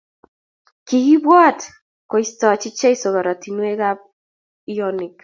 kiibwat koistachi jeso korotwek ab ionaik